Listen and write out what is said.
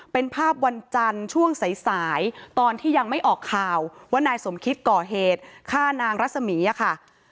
เป็นภาพวันจันทร์ช่วงสายสายตอนที่ยังไม่ออกข่าวว่านายสมคิดก่อเหตุฆ่านางรัศมีค่ะ